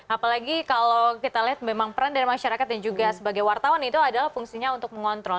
apalagi kalau kita lihat memang peran dari masyarakat dan juga sebagai wartawan itu adalah fungsinya untuk mengontrol